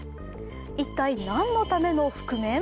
一体、何のための覆面？